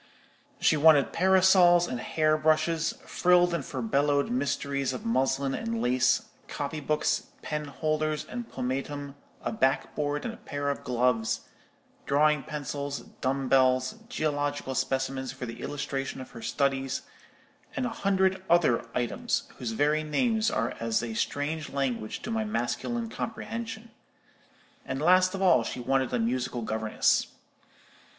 She wanted parasols and hair brushes, frilled and furbelowed mysteries of muslin and lace, copybooks, penholders, and pomatum, a backboard and a pair of gloves, drawing pencils, dumb bells, geological specimens for the illustration of her studies, and a hundred other items, whose very names are as a strange language to my masculine comprehension; and, last of all, she wanted a musical governess.